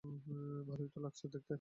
ভালোই তো লাগছে দেখতে।